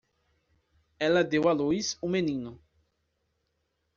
Ela deu à luz um menino